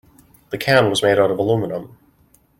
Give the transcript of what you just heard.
The can was made out of aluminium.